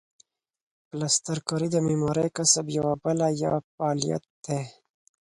پلسترکاري د معمارۍ کسب یوه بله یا فعالیت دی.